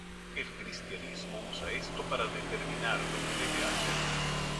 El cristianismo usa esto para determinar lo que debe hacer.